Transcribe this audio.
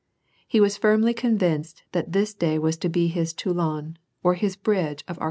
He wag firmly convinced that this day was to be his Toulon, or liis bridge of Areola.